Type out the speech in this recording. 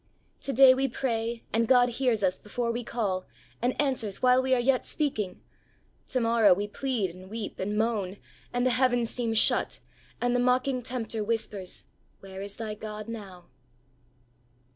To day we pray and God hears us before we call and answers while we are yet speaking ; to morrow we plead and ^ weep and moan and the heavens seem shut, and the mocking tempter whispers, ''Where is thy God now?"